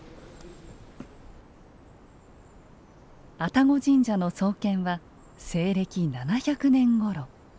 愛宕神社の創建は西暦７００年ごろ。